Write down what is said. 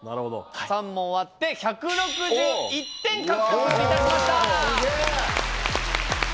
３問終わって１６１点獲得いたしました。